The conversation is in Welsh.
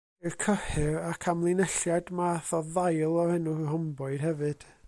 Ceir cyhyr ac amlinelliad math o ddail o'r enw rhomboid hefyd.